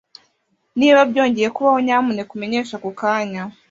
Niba byongeye kubaho, nyamuneka umenyeshe ako kanya.